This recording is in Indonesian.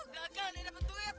gagal neda bantu nek